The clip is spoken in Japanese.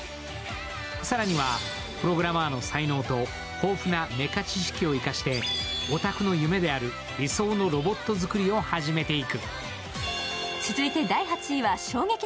更にはプログラマーの才能と豊富なメカ知識を生かしてヲタクの夢である理想のロボット作りを始めていく。